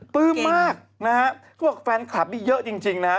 ปลื้มมากนะฮะเขาบอกแฟนคลับนี่เยอะจริงนะฮะ